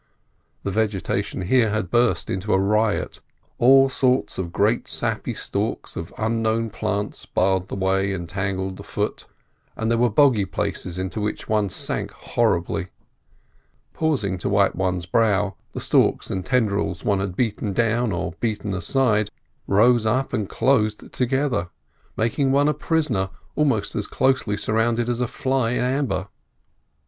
The vegetation here had burst into a riot. All sorts of great sappy stalks of unknown plants barred the way and tangled the foot; and there were boggy places into which one sank horribly. Pausing to wipe one's brow, the stalks and tendrils one had beaten down, or beaten aside, rose up and closed together, making one a prisoner almost as closely surrounded as a fly in amber.